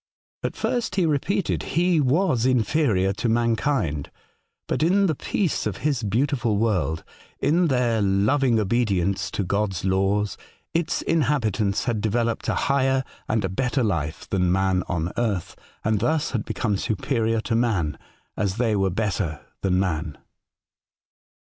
At first, he repeated, he was inferior to mankind ; but in the peace of his beautiful world, in their loving obedience to God's laws, its inhabitants had developed a higher and a better life than man on earth, and thus had become superior to man, as they were better than man.